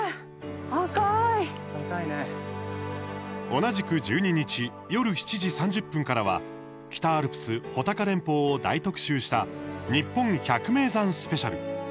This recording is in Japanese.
同じく１２日夜７時３０分からは北アルプス穂高連峰を大特集した「にっぽん百名山スペシャル」。